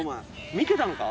見てたのか？